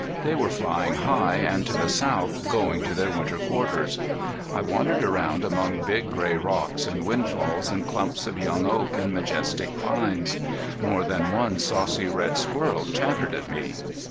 They were flying high, and to the south, going to their winter quarters. I wandered around among big, gray rocks and windfalls and clumps of young oak and majestic pines. More than one saucy red squirrel chattered at me.